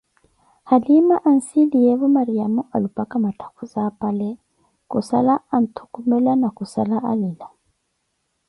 Halima anssiliyevo Mariamo alupaka mathakhuzi apale khussala attukumela na khussala alila